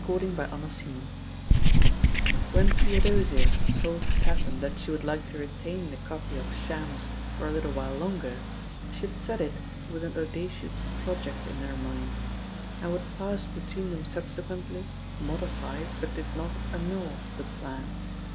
*" CHAPTER VII When Theodosia told Tatham that she would like to retain the copy of Shams for a little while longer, she had said it with an audacious project in her mind; and what passed between them sub sequently, modified, but did not annul, the plan.